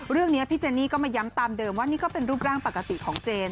เรื่องนี้พี่เจนนี่ก็มาย้ำตามเดิมว่านี่ก็เป็นรูปร่างปกติของเจน